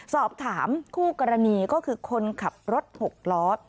สอบถามคู่กรณีก็คือคนขับรถหกล้อ